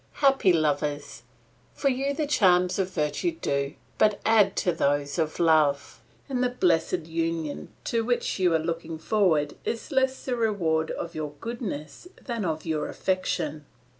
Happy lovers! for you the charms of virtue do but add to those of love; and the blessed union to which you are looking forward is less the reward of your goodness than of your affection.